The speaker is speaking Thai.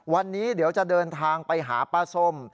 วันนี้เดี๋ยวจะเดินทางไปหาป้าส้ม